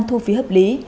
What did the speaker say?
thu phí hợp lý